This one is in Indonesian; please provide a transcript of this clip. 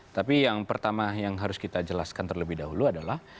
tapi yang pertama yang harus kita jelaskan terlebih dahulu adalah